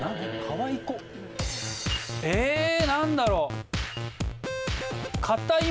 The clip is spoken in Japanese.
え何だろう？